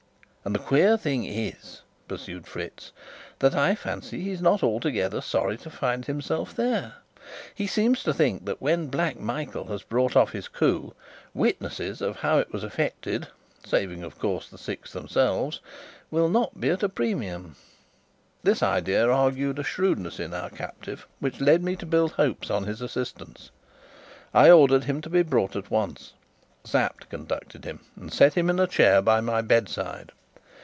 "And the queer thing is," pursued Fritz, "that I fancy he's not altogether sorry to find himself here. He seems to think that when Black Michael has brought off his coup, witnesses of how it was effected saving, of course, the Six themselves will not be at a premium." This idea argued a shrewdness in our captive which led me to build hopes on his assistance. I ordered him to be brought in at once. Sapt conducted him, and set him in a chair by my bedside.